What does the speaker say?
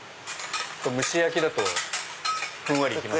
蒸し焼きだとふんわりいきます？